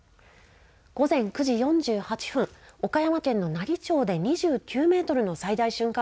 午前９時４８分、岡山県の奈義町で２９メートルの最大瞬間